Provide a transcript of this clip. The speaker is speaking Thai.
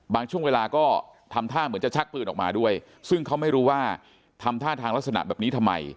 ช่วงเวลาก็ทำท่าเหมือนจะชักปืนออกมาด้วยซึ่งเขาไม่รู้ว่าทำท่าทางลักษณะแบบนี้ทำไม